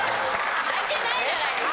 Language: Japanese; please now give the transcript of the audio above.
履いてないじゃないですか。